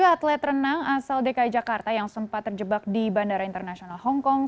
dua puluh atlet renang asal dki jakarta yang sempat terjebak di bandara internasional hongkong